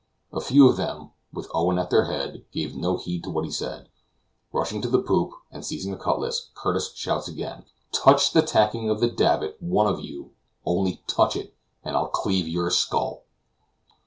A few of them, with Owen at their head, give no heed to what he says. Rushing to the poop, and seizing a cutlass, Curtis shouts again: "Touch the tackling of the davit, one of you; only touch it, and I'll cleave your skull."